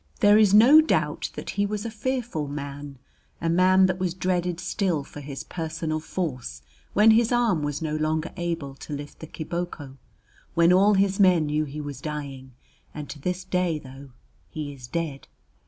There is not doubt that he was a fearful man, a man that was dreaded still for his personal force when his arm was no longer able to lift the kiboko, when all his men knew he was dying, and to this day though he is dead.